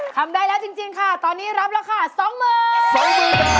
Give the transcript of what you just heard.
ทำได้แล้วจริงจริงค่ะตอนนี้รับราคาสองหมื่น